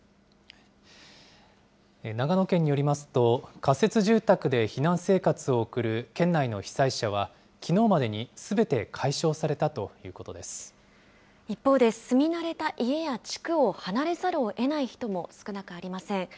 長野県によりますと、仮設住宅で避難生活を送る県内の被災者は、きのうまでにすべて解一方で、住み慣れた家や地区を離れざるをえない人も少なくありません。